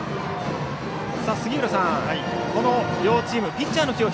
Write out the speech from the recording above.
杉浦さん、この両チームピッチャーの起用